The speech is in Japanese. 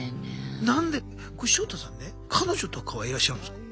これショウタさんね彼女とかはいらっしゃるんですか？